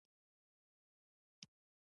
ډېری پوهان او ملګري ورسره وو.